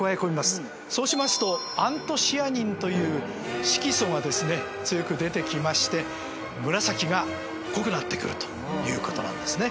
そうしますとアントシアニンという色素が強く出てきまして紫が濃くなってくるということなんですね。